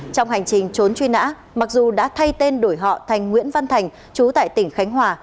trong hành trình trốn truy nã mặc dù đã thay tên đổi họ thành nguyễn văn thành chú tại tỉnh khánh hòa